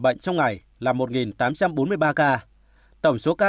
bệnh trong ngày là một tám trăm bốn mươi ba ca